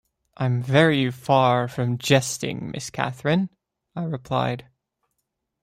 ‘I’m very far from jesting, Miss Catherine,’ I replied.